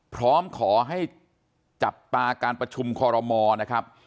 พร้อมขอให้จับตาการประชุมคอรมอนะครับ